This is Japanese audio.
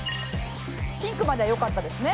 ピンクまではよかったですね。